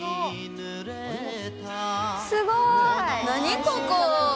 何ここ。